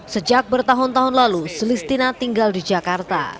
sejak bertahun tahun lalu sulistina tinggal di jakarta